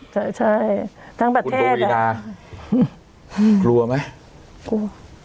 ใช่ใช่ทั้งประเทศคุณตุวินาค์กลัวไหมกลัว